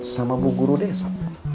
sama bu guru desa